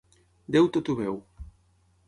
Déu tot ho veu.